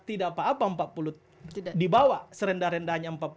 tidak apa apa dibawa serendah rendahnya